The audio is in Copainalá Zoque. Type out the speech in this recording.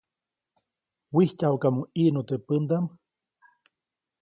Wijtyajuʼkamuŋ ʼiʼnu teʼ pändaʼm.